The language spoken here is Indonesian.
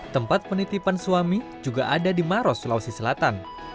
tempat penitipan suami juga ada di maros sulawesi selatan